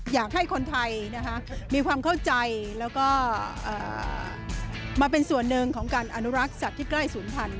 อยากให้คนไทยมีความเข้าใจแล้วก็มาเป็นส่วนหนึ่งของการอนุรักษ์สัตว์ที่ใกล้ศูนย์พันธุ